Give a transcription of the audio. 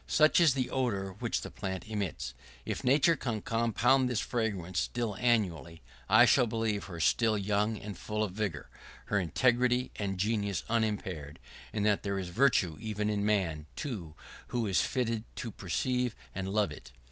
Such is the odor which the plant emits. If Nature can compound this fragrance still annually, I shall believe her still young and full of vigor, her integrity and genius unimpaired, and that there is virtue even in man, too, who is fitted to perceive and love it.